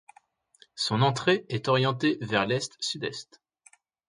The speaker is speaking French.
Son entrée est orientée vers l'est-sud-est.